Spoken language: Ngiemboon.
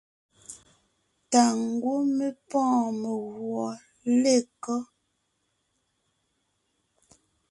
Tà ngwɔ́ mé pɔ́ɔn meguɔ lekɔ́?